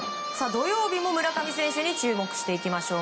土曜日の村上選手に注目していきましょう。